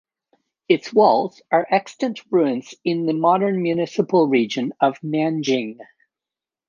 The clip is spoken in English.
Its walls are extant ruins in the modern municipal region of Nanjing.